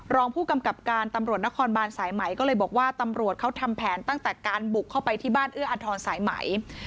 รองผู้กำกับการตำรวจนครบานสายไหมก็เลยบอกว่าตำรวจเขาทำแผนตั้งแต่การบุกเข้าไปที่บ้านเอื้ออทรสายไหม